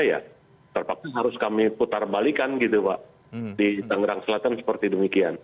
ya terpaksa harus kami putar balikan gitu pak di tangerang selatan seperti demikian